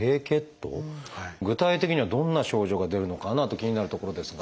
具体的にはどんな症状が出るのかなと気になるところですが。